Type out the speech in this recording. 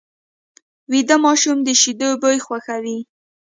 ویده ماشوم د شیدو بوی خوښوي